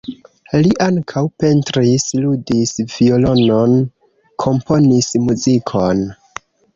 Li ankaŭ pentris, ludis violonon, komponis muzikon.